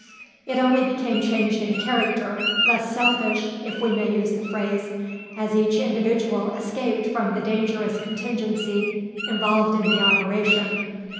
It only became changed in character, less selfish, if we may use the phrase, as each individual escaped from the dangerous contingency involved in the operation.